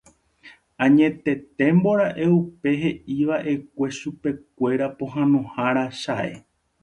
Añetetémbora'e upe he'iva'ekue chupekuéra pohãnohára chae.